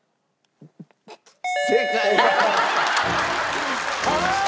正解。